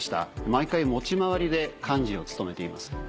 毎回持ち回りで幹事を務めています。